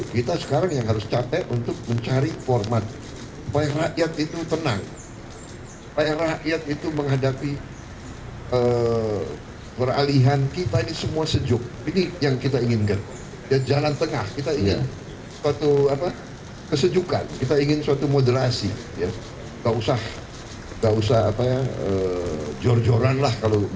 kesejukan kita ingin suatu moderasi gak usah jor joran lah kalau bersaing biasa biasa aja